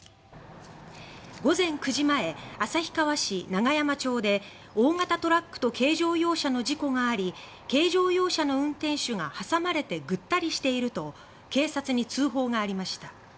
午前９時前、旭川市永山町で大型トラックと軽乗用車の事故があり軽乗用車の運転手が挟まれてぐったりしていると警察に通報がありました。